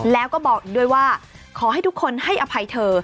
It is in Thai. แล้วก็บอกอีกด้วยว่าขอให้ทุกคนให้อภัยเธอ